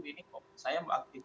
ini kok saya mau aktifkan